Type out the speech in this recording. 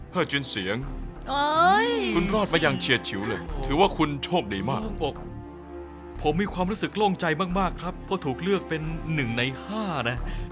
จนเสียงคุณรอดมาอย่างเฉียดฉิวเลยถือว่าคุณโชคดีมากผมมีความรู้สึกโล่งใจมากครับเพราะถูกเลือกเป็น๑ใน๕นะ